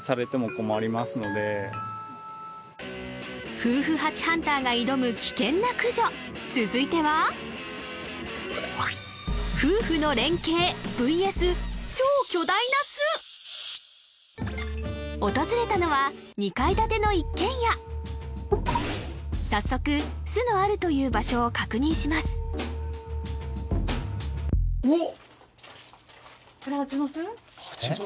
夫婦ハチハンターが挑む危険な駆除続いては訪れたのは２階建ての一軒家早速巣のあるという場所を確認しますおおっ！